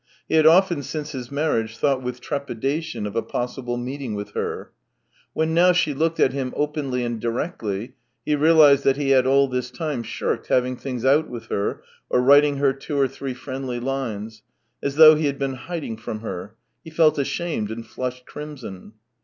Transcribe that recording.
He had often since his marriage thought with trepidation of a possible meeting with her. When now she looked at him openly and directly, he realized that he had all this time shirked having things out with her, or writing her two or three friendly lines, as though he had been hiding from her; he felt ashamed and flushed crimson.